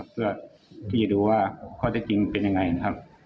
เพื่อที่จะดูว่าข้อได้จริงเป็นอย่างไรนะครับ